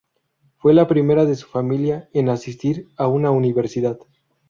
Fue la primera de su familia en asistir a una universidad.